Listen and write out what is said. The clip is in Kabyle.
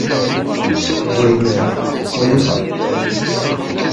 Wa inuda, wa yufa.